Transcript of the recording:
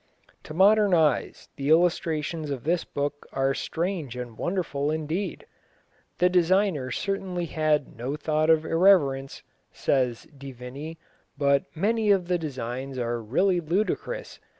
To modern eyes the illustrations of this book are strange and wonderful indeed. "The designer certainly had no thought of irreverence," says De Vinne, "but many of the designs are really ludicrous.